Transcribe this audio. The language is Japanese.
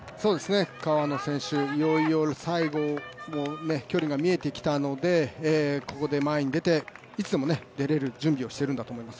川野選手、いよいよ最後の距離が見えてきたのでここで前に出ていつでも出れる準備をしているんだと思います。